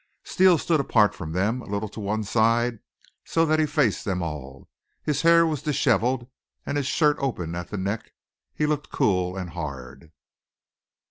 Steele stood apart from them, a little to one side, so that he faced them all. His hair was disheveled, and his shirt open at the neck. He looked cool and hard.